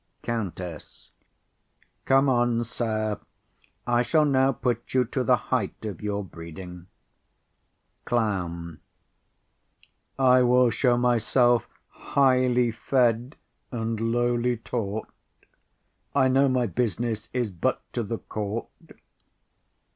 COUNTESS. Come on, sir; I shall now put you to the height of your breeding. CLOWN. I will show myself highly fed and lowly taught. I know my business is but to the court.